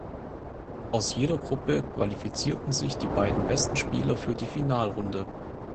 Aus jeder Gruppe qualifizierten sich die beiden besten Spieler für die Finalrunde.